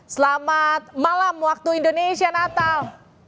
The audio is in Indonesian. selamat malam waktu indonesia natal